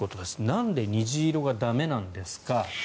なんで虹色が駄目なんですか。